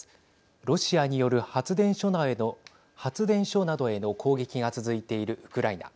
ロシアによる発電所などへの攻撃が続いているウクライナ。